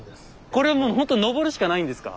これもうほんと上るしかないんですか？